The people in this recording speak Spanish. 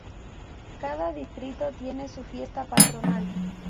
Cada distrito tiene su fiesta patronal.